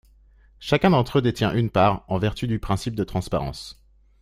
Chacun d’entre eux détient une part, en vertu du principe de transparence.